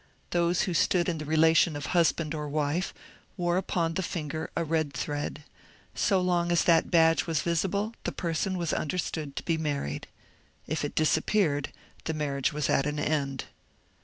Those who stood in the relation of husband or wife wore upon the finger a red thread ; so long as that badge was visi ble the person was understood to be married. If it disappeared the marriage was at an end.